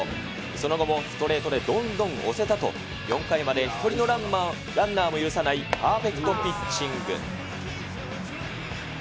その後もストレートでどんどん押せたと、４回まで１人のランナーも許さないパーフェクトピッチング。